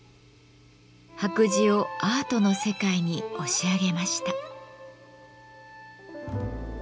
白磁をアートの世界に押し上げました。